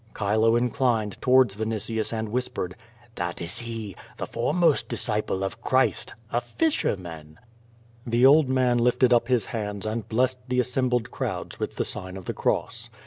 Chilo inclined towards Vinitius and whispered: / "That is he! The foremost disciple of Christ — a fisher / man!" The old man lifted up his hands and blessed the assembled crowds with the sign of the cross.